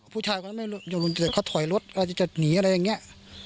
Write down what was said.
ผู้ชายก็ไม่รู้แต่เขาถอยรถอาจจะหนีอะไรอย่างนี้